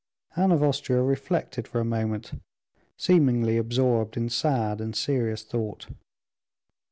Anne of Austria reflected for a moment, seemingly absorbed in sad and serious thought.